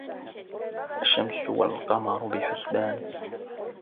الشَّمسُ وَالقَمَرُ بِحُسبانٍ